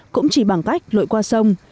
cũng chỉ bằng cách lội qua sông